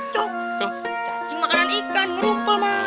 itu cacing makanan ikan merumpel mak